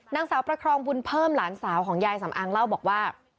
นางสาวประครองบุญเพิ่มหลานสาวของยายสำอางเล่าบอกว่า